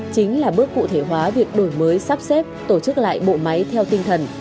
chính là bước cụ thể hóa việc đổi mới sắp xếp tổ chức lại bộ máy theo tinh thần